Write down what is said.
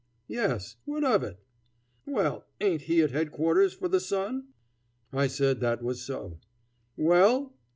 "Yes; what of it?" "Well, ain't he at Headquarters for the Sun?" I said that was so. "Well?"